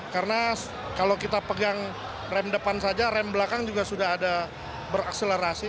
karena kalau kita pegang rem depan saja rem belakang juga sudah ada berakselerasi